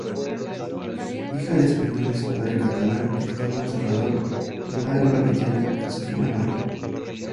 Hija de españoles, padre catalán, Esteban Serrador, y madre valenciana, Josefina Marí.